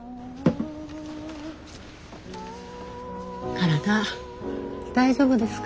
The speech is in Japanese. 体大丈夫ですか？